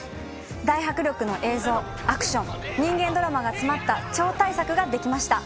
大迫力の映像アクション人間ドラマが詰まった超大作が出来ました。